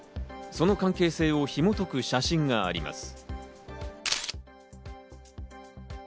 その関係性を紐解く写真があります。